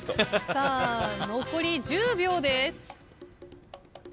さあ残り１０秒です。